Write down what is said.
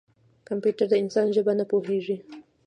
کمپیوټر د انسان ژبه نه پوهېږي.